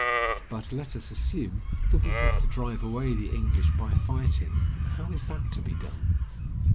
But let us assume that we have to drive away the English by fighting; how is that to be done?